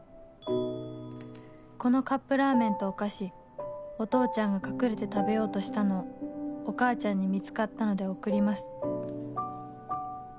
「このカップラーメンとお菓子お父ちゃんが隠れて食べようとしたのをお母ちゃんに見つかったので送ります」